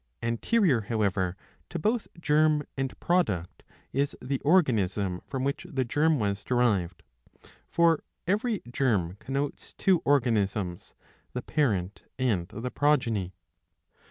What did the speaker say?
An terior, however, to both germ and product is the organism from which the germ was derived. For every germ connotes two organisms, the parent and the progeny.